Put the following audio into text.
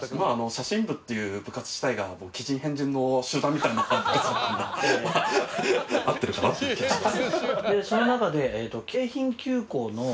写真部っていう部活自体が奇人変人の集団みたいな部活だったんでまあ合ってるかなっていう気はします。